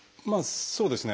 そうですね。